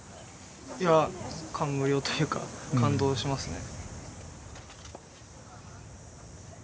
いや感無量というか感動しますね。